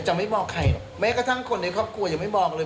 ไม่บอกใครหรอกแม้กระทั่งคนในครอบครัวยังไม่บอกเลย